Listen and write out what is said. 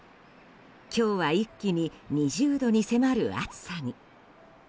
今日は一気に２０度に迫る暑さに。